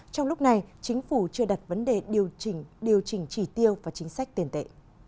trong lúc này chính phủ chưa đặt vấn đề điều chỉnh trì tiêu và chính sách tiền tệ